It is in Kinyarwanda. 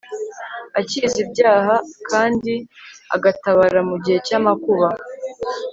akiza ibyaha kandi agatabara mu gihe cy'amakuba